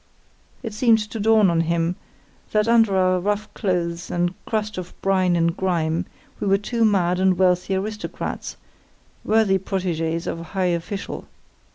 It seemed to dawn on him that, under our rough clothes and crust of brine and grime, we were two mad and wealthy aristocrats, worthy protégés of a high official.